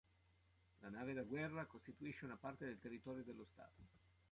La nave da guerra costituisce una parte del territorio dello Stato.